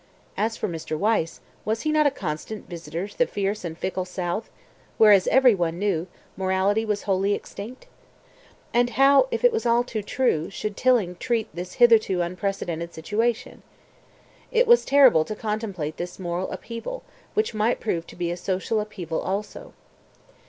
As for Mr. Wyse, was he not a constant visitor to the fierce and fickle south, where, as everyone knew, morality was wholly extinct? And how, if it was all too true, should Tilling treat this hitherto unprecedented situation? It was terrible to contemplate this moral upheaval, which might prove to be a social upheaval also.